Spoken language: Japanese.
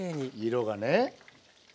色がね。